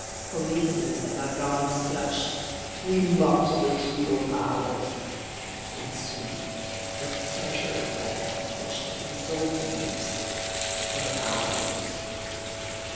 Policemen at our garments clutch'd: We mock'd those feeble powers; And soon the treasures that had touch'd Exalted lips were ours!